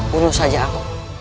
bunuh saja aku